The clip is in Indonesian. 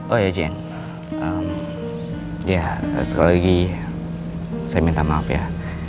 oh ya jane ya sekali lagi saya minta maaf ya